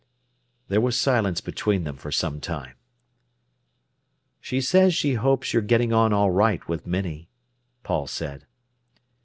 There was silence between them for some time. "She says she hopes you're getting on all right with Minnie," Paul said.